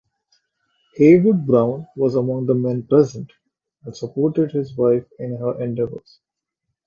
Heywood Broun was among the men present, and supported his wife in her endeavors.